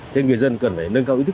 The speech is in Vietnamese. thế người dân cần phải nâng cao ý thức